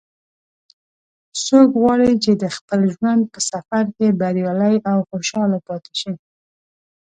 څوک غواړي چې د خپل ژوند په سفر کې بریالی او خوشحاله پاتې شي